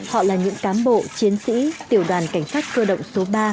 họ là những cán bộ chiến sĩ tiểu đoàn cảnh sát cơ động số ba